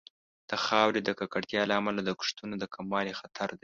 د خاورې د ککړتیا له امله د کښتونو د کموالي خطر دی.